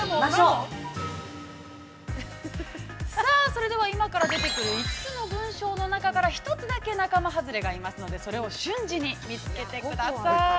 ◆それでは、今から出てくる５つの文章の中から１つだけ仲間外れがいますので、それを瞬時に見つけてください。